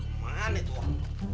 kemana itu waduh